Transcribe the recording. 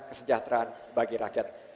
kesejahteraan bagi rakyat